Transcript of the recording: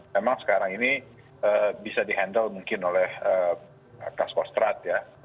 memang sekarang ini bisa di handle mungkin oleh klas klas klas terat ya